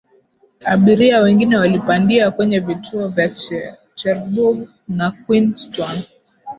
abiria wengine walipandia kwenye vituo vya cherbourg na queenstown